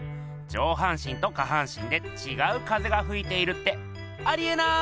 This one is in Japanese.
上半身と下半身でちがう風がふいているってありえない！